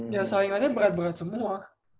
ya saingannya berat berat semua